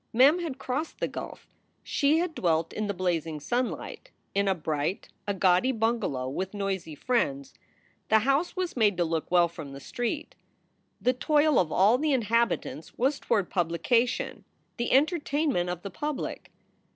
Mem had crossed the gulf. She had dwelt in the blazing sunlight, in a bright, a gaudy bungalow with noisy friends. The house was made to look well from the street. The toil of all the inhabitants was toward publication, the entertainment of the public.